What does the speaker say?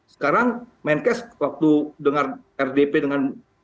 sekarang menkes waktu dengar rdp dengan